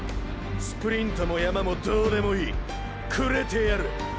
スプリントも山もどうでもいい“くれてやる”。